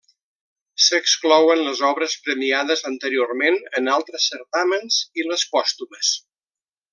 S'exclouen les obres premiades anteriorment en altres certàmens i les pòstumes.